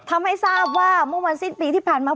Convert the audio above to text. ทำให้ทราบว่าเมื่อวันสิ้นปีที่ผ่านมา